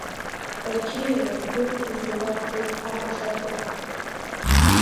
Рқьиара, ргәыразра иақәӡит, ахәашабгақәа.